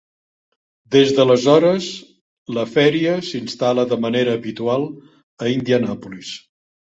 Des d'aleshores, la feria s'instal·la de manera habitual a Indianapolis.